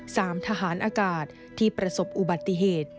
ทหารอากาศที่ประสบอุบัติเหตุ